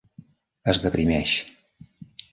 Es deprimeix.